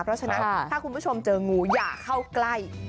เพราะฉะนั้นถ้าคุณผู้ชมเจองูอย่าเข้าใกล้